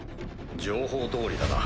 情報どおりだな。